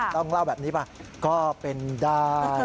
ต้องเล่าแบบนี้ป่ะก็เป็นได้